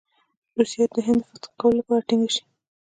روسیه دې د هند د فتح کولو لپاره ټینګه شي.